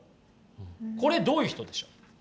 これどういう人でしょう？